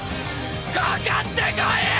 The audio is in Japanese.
かかってこいや‼